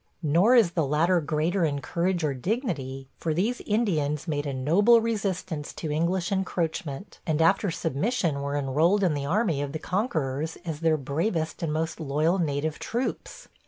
Nor is the latter greater in courage or dignity, for these Indians made a noble resistance to English encroachment, and after submission were enrolled in the army of the conquerors as their bravest and most loyal native troops.